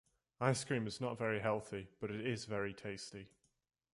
Ice cream is not very healthy but it is very tasty.